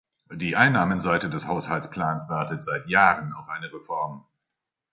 Die Einnahmenseite des Haushaltsplans wartet seit Jahren auf eine Reform.